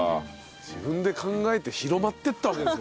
自分で考えて広まっていったわけですもんね。